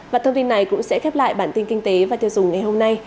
và thông tin này cũng sẽ khép lại bản tin kinh tế và tiêu dùng ngày hôm nay